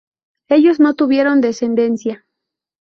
Ellos no tuvieron descendencia.